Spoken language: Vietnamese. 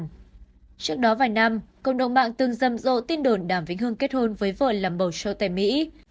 trước đó vài năm cộng đồng mạng từng dâm dộ tin đồn đàm vĩnh hương kết hôn với vợ làm bổ trâu tại mỹ